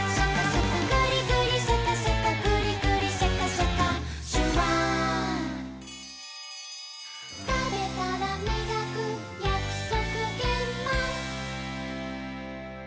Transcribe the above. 「グリグリシャカシャカグリグリシャカシャカ」「シュワー」「たべたらみがくやくそくげんまん」